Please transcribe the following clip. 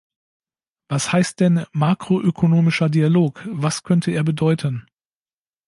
Was heißt denn "makroökonomischer Dialog", was könnte er bedeuten?